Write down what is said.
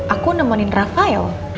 aku nemenin rafael